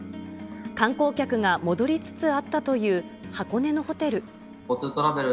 観光客が戻りつつあったという箱根のホテル。